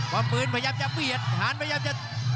ว่าปืนพยายามจะเบียดหานพยายามจะ